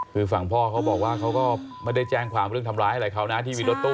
คือฝั่งพ่อเขาบอกว่าเขาก็ไม่ได้แจ้งความเรื่องทำร้ายอะไรเขานะที่มีรถตู้